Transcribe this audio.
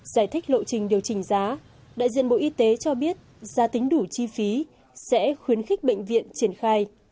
giải thích lộ trình điều chỉnh giá đại diện bộ y tế cho biết giá tính đủ chi phí sẽ khuyến khích bệnh viện triển khai